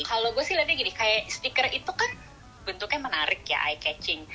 kalau gue sih lihatnya gini kayak stiker itu kan bentuknya menarik ya eye catching